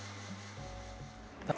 bagaimana cara menggunakan kopi yang beragam